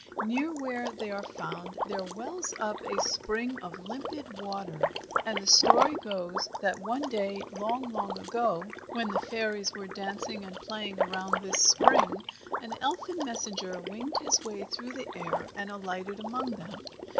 Near where they are found there wells up a spring of limpid water, and the story goes that one day, long, long ago, when the fairies were dancing and playing around this spring, an elfin messenger winged his way through the air and alighted among them.